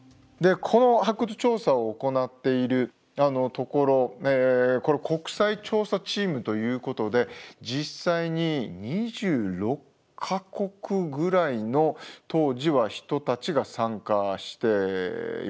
この発掘調査を行っているところ国際調査チームということで実際に２６か国ぐらいの当時は人たちが参加していました。